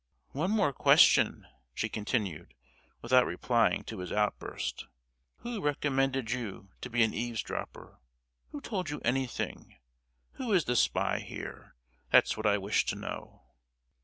"One more question," she continued, without replying to his outburst: "who recommended you to be an eavesdropper; who told you anything; who is the spy here? That's what I wish to know!"